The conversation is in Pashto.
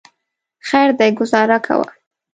خیر دی ګوزاره کوه.